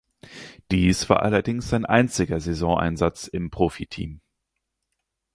Dies war allerdings sein einziger Saisoneinsatz im Profiteam.